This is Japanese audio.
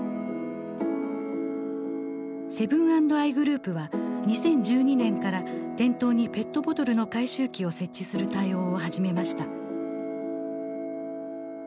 セブン＆アイグループは２０１２年から店頭にペットボトルの回収機を設置する対応を始めました。